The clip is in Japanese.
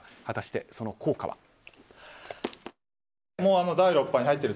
果たして、その効果は？